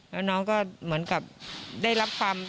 แล้วน้องก็เหมือนกับได้รับความ